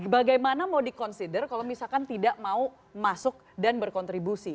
bagaimana mau di consider kalau misalkan tidak mau masuk dan berkontribusi